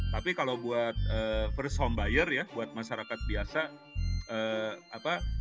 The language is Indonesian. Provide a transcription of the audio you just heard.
tapi kalau buat first home buyer ya buat masyarakat biasa